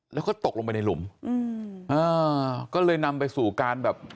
แล้วก็ตกลงไปในหลุมอืมอ่าก็เลยนำไปสู่การแบบ